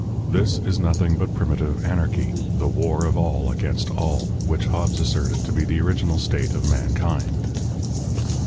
This is nothing but primitive anarchy, "the war of all against all," which Hobbes asserted to be the original state of mankind.